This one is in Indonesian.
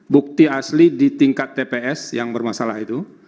bukti asli di tingkat tps yang bermasalah itu